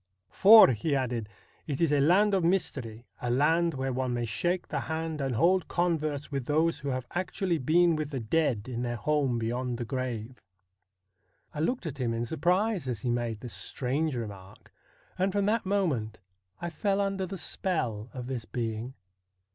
' For,' he added, ' it is a land of mystery, a land where one may shake the hand and hold converse with those who have actually been with the dead in their home beyond the grave.' I looked at him in surprise as he made this strange remark, and from that moment I fell under the spell of this being.